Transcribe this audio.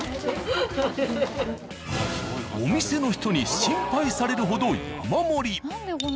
お店の人に心配されるほど山盛り。